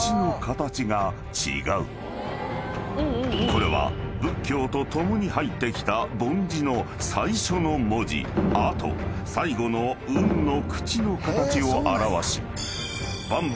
［これは仏教とともに入ってきた梵字の最初の文字「阿」と最後の「吽」の口の形を表し］